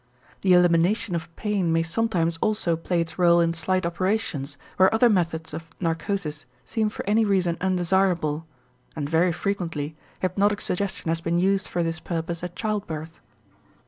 The elimination of pain may sometimes also play its rôle in slight operations where other methods of narcosis seem for any reason undesirable, and very frequently hypnotic suggestion has been used for this purpose at childbirth.